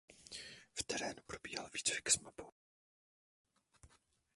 V terénu probíhal výcvik s mapou.